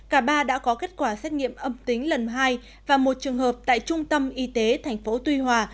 cả ba đã có kết quả xét nghiệm âm tính lần hai và một trường hợp tại trung tâm y tế tp tuy hòa